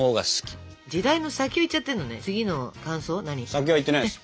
先はいってないです